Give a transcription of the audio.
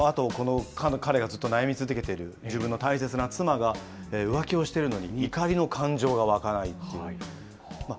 そうですね、このあと彼がずっと悩み続けている、自分の大切な妻が浮気をしてるのに、怒りの感情が湧かないっていう。